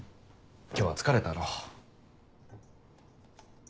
今日は疲れたろ。